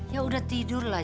ya udah tidurlah